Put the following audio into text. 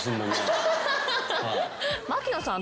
槙野さん